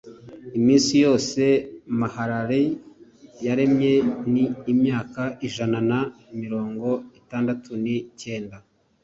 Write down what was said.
iminsi yose mahalaleli yaramye ni imyaka ijana na mirongo itandatu ni cyenda